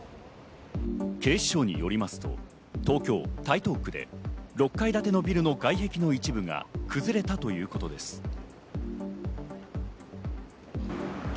警視庁によりますと、東京・台東区で６階建てのビルの外壁の一部が崩れたということです。